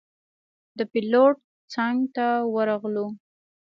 د پېلوټ څنګ ته ورغلو.